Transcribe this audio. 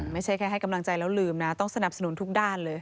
ไม่ใช่แค่ให้กำลังใจแล้วลืมนะต้องสนับสนุนทุกด้านเลย